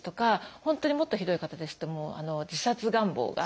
本当にもっとひどい方ですと自殺願望が。